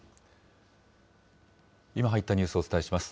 今入ったニュースをお伝えします。